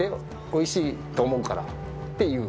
おいしいと思うから」って言う。